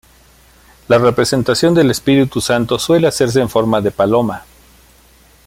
La representación del Espíritu Santo suele hacerse en forma de paloma.